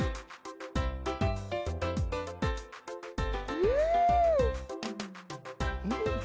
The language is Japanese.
うん！